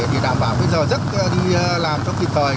để đảm bảo giấc đi làm trong kỳ thời